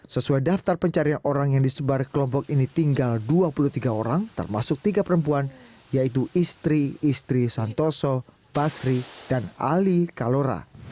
sesuai daftar pencarian orang yang disebar kelompok ini tinggal dua puluh tiga orang termasuk tiga perempuan yaitu istri istri santoso basri dan ali kalora